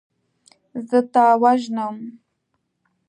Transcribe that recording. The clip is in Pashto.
زه تا وژنم.